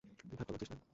তুই ঠাট্টা করছিস, না?